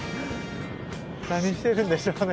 何してるんでしょうね。